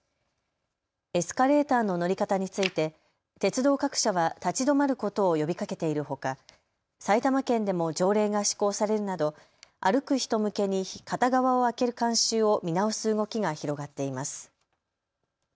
エスカレーターの乗り方について鉄道各社は立ち止まることを呼びかけているほか埼玉県でも条例が施行されるなど歩く人向けに片側を空ける慣習を見直す動きが広がっています。